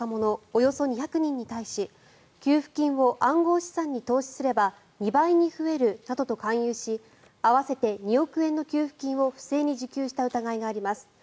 およそ２００人に対し給付金を暗号資産に投資すれば２倍に増えるなどと勧誘し合わせて２億円の給付金を不正に受給した疑いがあります。